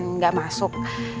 kamu kan gak masuk